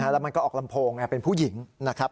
แล้วมันก็ออกลำโพงเป็นผู้หญิงนะครับ